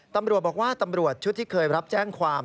ตำรวจบอกว่าตำรวจชุดที่เคยรับแจ้งความ